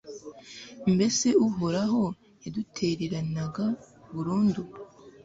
mbese uhoraho yadutererana burundu